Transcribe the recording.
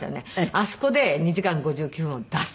あそこで２時間５９分を出す。